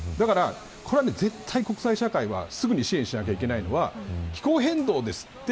これは絶対、国際社会はすぐに支援しなければいけないのは気候変動ですと。